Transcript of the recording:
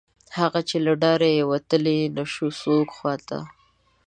هغه، چې له ډاره یې ورتلی نشو څوک خواته